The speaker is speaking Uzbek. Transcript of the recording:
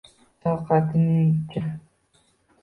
Shafqatning-chi?